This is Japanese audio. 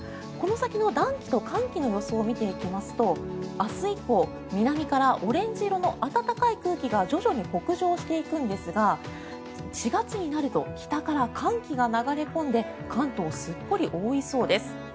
この先の暖気と寒気の予想を見ていきますと明日以降、南からオレンジ色の暖かい空気が徐々に北上していくんですが４月になると北から寒気が流れ込んで関東をすっぽり覆いそうです。